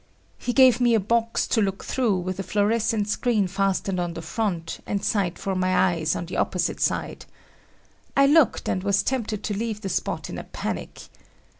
"He gave me a box to look through with a fluorescent screen fastened on the front and a sight for my eyes on the opposite side. I looked and was tempted to leave the spot in a panic.